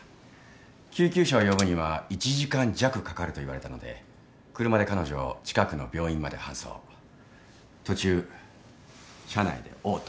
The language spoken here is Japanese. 救急車を呼ぶには１時間弱かかると言われたので車で彼女を近くの病院まで搬送途中車内で嘔吐。